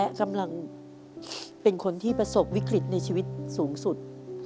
และกำลังเป็นคนที่ประสบวิกฤตในชีวิตสูงสุด